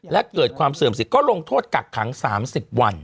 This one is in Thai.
และเกิดความเสื่อมสิทธิก็ลงโทษกักขัง๓๐วัน